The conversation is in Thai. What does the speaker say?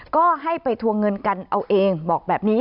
ก็ให้ไปทวงเงินกันเอาเองบอกแบบนี้